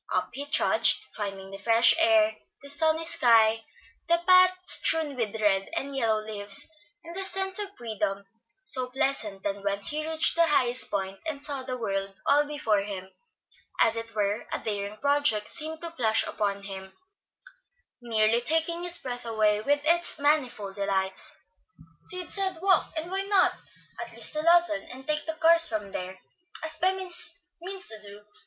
Up he trudged, finding the fresh air, the sunny sky, the path strewn with red and yellow leaves, and the sense of freedom so pleasant that when he reached the highest point and saw the world all before him, as it were, a daring project seemed to flash upon him, nearly taking his breath away with its manifold delights. "Sid said, 'Walk,' and why not? at least to Lawton, and take the cars from there, as Bemis means to do.